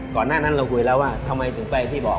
ก่อนหน้านั้นเราคุยแล้วว่าทำไมถึงไปที่บอก